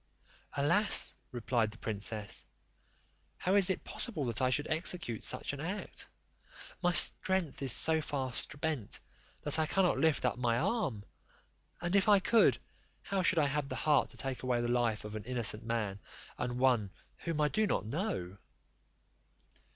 "Alas," replied the princess, "how is it possible that I should execute such an act? My strength is so far spent that I cannot lift up my arm; and if I could, how should I have the heart to take away the life of an innocent man, and one whom I do not know?"